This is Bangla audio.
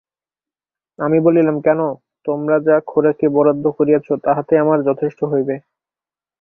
আমি বলিলাম–কেন, তোমরা যা খোরাকি বরাদ্দ করিয়াছ তাহাতেই আমার যথেষ্ট হইবে।